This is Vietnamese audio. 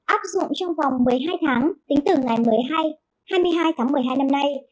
áp dụng trong vòng một mươi hai tháng tính từ ngày hai mươi hai tháng một mươi hai năm nay